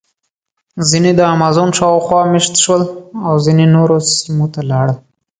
ځینې د امازون شاوخوا مېشت شول او ځینې نورو سیمو ته لاړل.